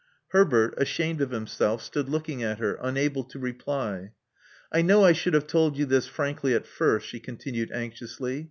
Herbert, ashamed of himself, stood looking at her, unable to reply. I know I should have told you this frankly at first," she continued anxiously.